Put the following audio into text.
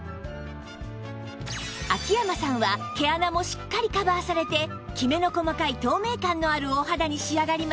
秋山さんは毛穴もしっかりカバーされてキメの細かい透明感のあるお肌に仕上がりました